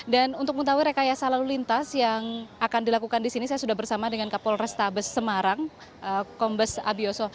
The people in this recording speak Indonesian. dan untuk mengetahui rekayasa lalu lintas yang akan dilakukan di sini saya sudah bersama dengan kapol restabes semarang kombes abioso